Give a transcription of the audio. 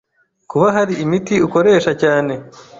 Kuba hari imiti ukoresha cyane